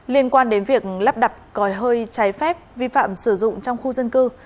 liên quan đến việc lắp đặt còi hơi trái phép vi phạm sử dụng trong khu dân cư